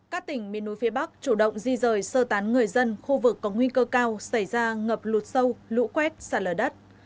các tỉnh miền núi phía bắc chủ động di rời sơ tán người dân khu vực có nguy cơ cao xảy ra ngập lụt sâu lũ quét sạt lở đất